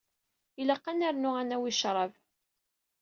Ilaq ad nernu ad nawi ccrab.